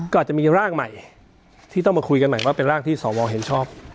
ก็อาจจะมีร่างใหม่ที่ต้องมาคุยกันใหม่ว่าเป็นร่างที่สวเห็นชอบ